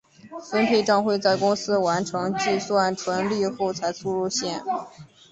分配帐会在公司完成计算纯利后才出现。